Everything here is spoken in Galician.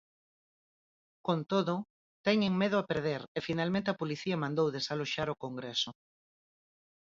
Con todo, teñen medo a perder e finalmente a policía mandou desaloxar o congreso.